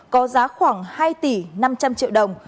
có giá khoảng hai tỷ năm trăm linh triệu đồng